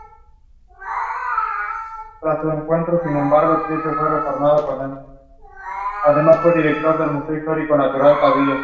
Más al este, el problema es menos contencioso.